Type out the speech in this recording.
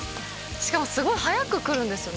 しかもすごい早く来るんですよね